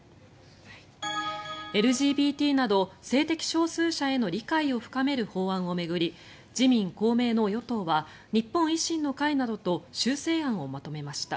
ＬＧＢＴなど性的少数者への理解を深める法案を巡り自民・公明の与党は日本維新の会などと修正案をまとめました。